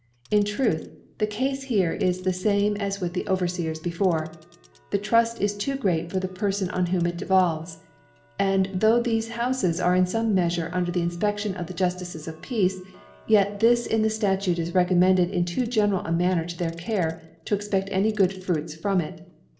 In Truth, the Cafe here is tht lame as wiih the Overfeers before, the Truft is too great for the Pcrfoos on whom it devolves : And tho* thefe Houfes are, in feme Mcafure, under the Infpeftion of the Juftices of Peace, yec this in the Statute is recommended in too general a Manner to their Care, to ex peft any gpod Fruits from it.